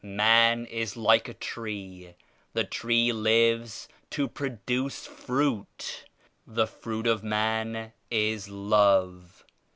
Man is like a tree. The tree lives to produce fruit. The fruit of man is love.